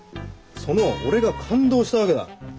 その俺が感動したわけだ。